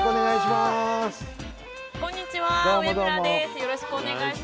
よろしくお願いします。